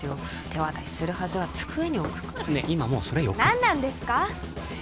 手渡しするはずが机に置くからねっ今もうそれ何なんですか？